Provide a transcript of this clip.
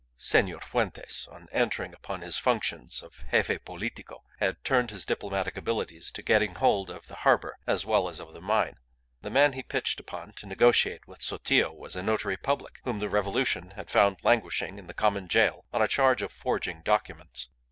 Senor Fuentes, on entering upon his functions of Gefe Politico, had turned his diplomatic abilities to getting hold of the harbour as well as of the mine. The man he pitched upon to negotiate with Sotillo was a Notary Public, whom the revolution had found languishing in the common jail on a charge of forging documents.